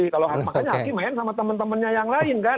kalau hakim makanya main sama temen temennya yang lain kan